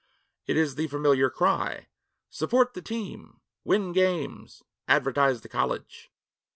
It is the familiar cry: 'Support the team! Win games! Advertise the college!'